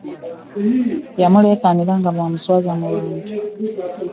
Yamulekanira nga bwamuswaza mu bantu .